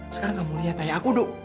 sekarang kamu lihat ayah aku dok